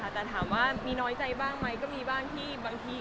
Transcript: แต่ถามว่ามีน้อยใจบ้างไหมก็มีบ้างที่บางที